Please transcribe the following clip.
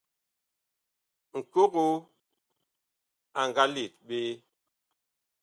Ŋkogo a nga let ɓe.